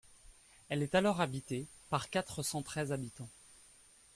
Elle est alors habitée par quatre cent treize habitants.